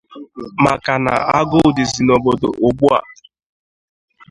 maka na agụụ dịzị n'obodo ugbua.